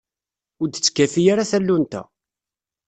Ur d-tettkafi ara tallunt-a.